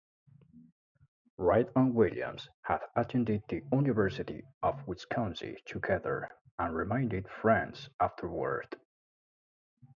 Wright and Williams had attended the University of Wisconsin together and remained friends afterward.